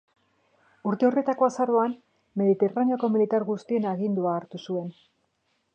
Urte horretako azaroan, Mediterraneoko militar guztien agindua hartu zuen.